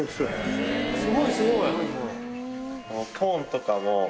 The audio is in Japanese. すごいすごい。